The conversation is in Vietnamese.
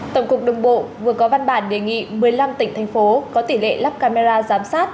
tổng cục đồng bộ vừa có văn bản đề nghị một mươi năm tỉnh thành phố có tỷ lệ lắp camera giám sát